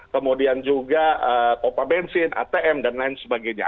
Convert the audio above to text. kemudian juga popa bensin atm dan lain sebagainya